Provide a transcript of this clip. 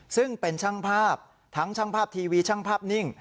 ซึ่งเป็นช่างภาพทั้งช่างภาพทีวีช่างภาพนิ่ง